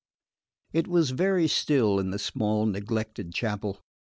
1.1. It was very still in the small neglected chapel.